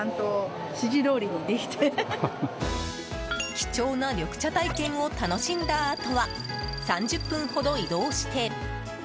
貴重な緑茶体験を楽しんだあとは３０分ほど移動して。